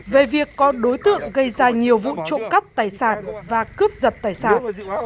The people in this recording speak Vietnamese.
về việc còn đối tượng gây ra nhiều vụ trộm cắp tài sản và cướp giật tài sản